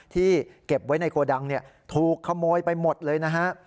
ที่เก็บไว้ในโกดังถูกขโมยไปหมดเลยนะฮะ